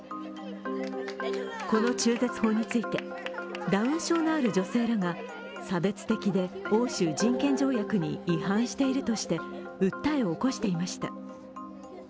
この中絶法について、ダウン症の女性らが差別的で、欧州人権条約に違反しているとして訴えを起こしていました。